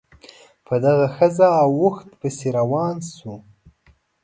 په دغه ښځه او اوښ پسې روان شو.